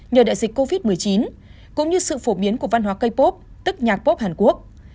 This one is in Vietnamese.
nhờ đại dịch covid một mươi chín cũng như sự phổ biến của văn hóa capop tức nhạc pop hàn quốc